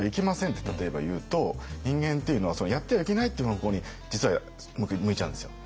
例えば言うと人間っていうのはそのやってはいけないっていう方向に実は向いちゃうんですよ。